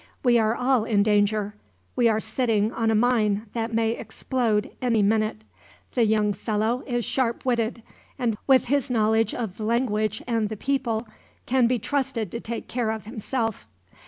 "We are all in danger. We are sitting on a mine that may explode any minute. The young fellow is sharp witted, and with his knowledge of the language and the people can be trusted to take care of himself.